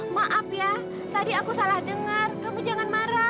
maaf ya tadi aku salah dengar kamu jangan marah